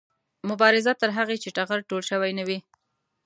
مبارزه تر هغې چې ټغر ټول شوی نه وي